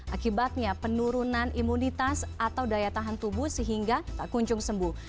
akibatnya penurunan imunitas atau daya tahan tubuh sehingga tak kunjung sembuh